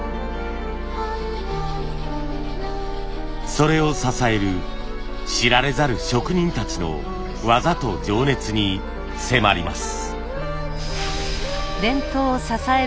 それを支える知られざる職人たちの技と情熱に迫ります。